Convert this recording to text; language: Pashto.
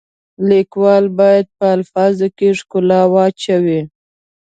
لیکوال باید په الفاظو کې ښکلا واچوي.